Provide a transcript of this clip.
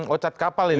oh cat kapal ini